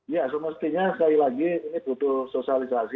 ya semestinya sekali lagi ini butuh sosialisasi